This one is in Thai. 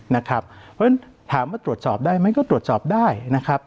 เพราะฉะนั้นถามว่าตรวจสอบได้ไหมก็ตรวจสอบได้นะครับ